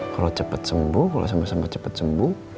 kalau cepet sembuh kalau sama sama cepet sembuh